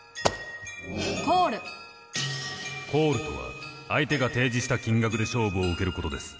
コールコールとは相手が提示した金額で勝負を受けることです。